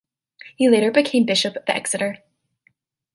He later became Bishop of Exeter.